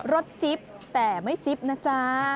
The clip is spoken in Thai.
รสจิปแต่ไม่จิปนะจ๊ะ